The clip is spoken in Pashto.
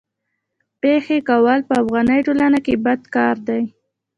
پېښې کول په افغاني ټولنه کي بد کار دی.